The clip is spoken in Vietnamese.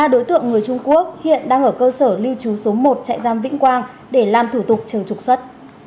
ba đối tượng người trung quốc hiện đang ở cơ sở lưu trú số một chạy giam vĩnh quang để làm thủ tục chờ trục xuất